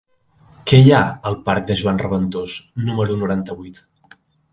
Què hi ha al parc de Joan Reventós número noranta-vuit?